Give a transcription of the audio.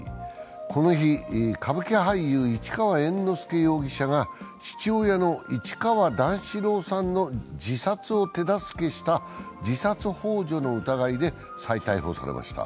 この日、歌舞伎俳優・市川猿之助容疑者が父親の市川段四郎さんの自殺を手助けした自殺ほう助の疑いで再逮捕されました。